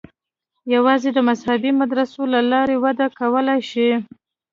یوازې د مذهبي مدرسو له لارې وده کولای شي.